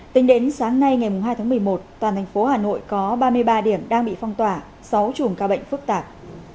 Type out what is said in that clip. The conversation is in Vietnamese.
tính đến sáng nay ngày hai tháng một mươi một toàn thành phố hà nội có ba mươi ba điểm đang bị phong tỏa sáu chùm ca bệnh phức tạp